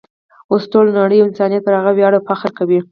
اوس ټوله نړۍ او انسانیت پر هغه ویاړي او فخر کوي.